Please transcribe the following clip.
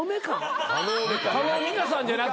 叶美香さんじゃなくて？